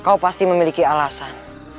kau pasti memiliki alasan